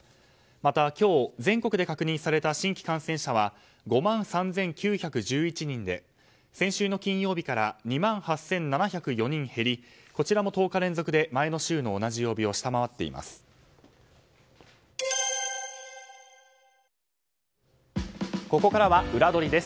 また、今日全国で確認された新規感染者は５万３９１１人で先週の金曜日から２万８７０４人減りこちらも１０日連続で前の週の同じ曜日を下回っています。